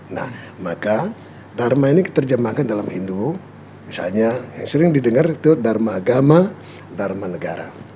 nah maka dharma ini diterjemahkan dalam hindu misalnya yang sering didengar itu dharma agama dharma negara